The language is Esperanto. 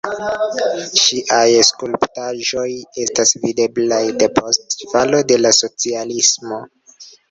Ŝiaj skulptaĵoj estas videblaj depost falo de la socialismo.